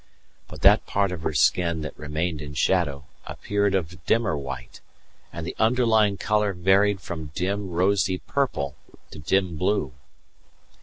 But that part of her skin that remained in shadow appeared of a dimmer white, and the underlying colour varied from dim, rosy purple to dim blue.